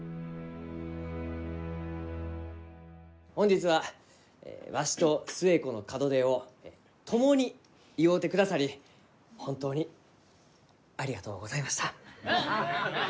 本日は、わしと寿恵子の門出を共に祝うてくださり本当に、ありがとうございました。